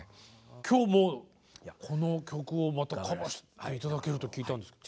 今日もこの曲をまたカバーして頂けると聞いたんですけど。